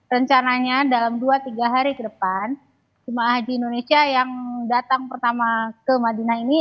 rencananya dalam dua tiga hari ke depan jemaah haji indonesia yang datang pertama ke madinah ini